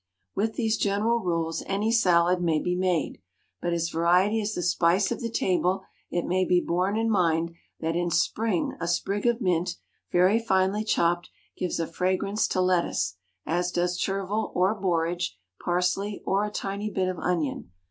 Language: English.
With these general rules any salad may be made; but as variety is the spice of the table, it may be borne in mind that in spring a sprig of mint, very finely chopped, gives a fragrance to lettuce, as does chervil or borage, parsley, or a tiny bit of onion.